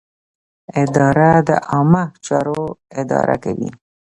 اداره د عامه چارو اداره کوي.